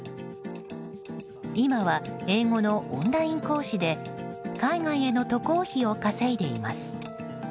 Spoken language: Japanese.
今は英語のオンライン講師で海外への渡航費を稼いでいます。